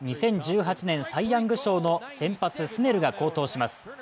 ２０１８年サイ・ヤング賞の先発スネルが好投します。